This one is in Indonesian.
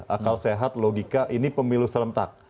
akal sehat logika ini pemilu serentak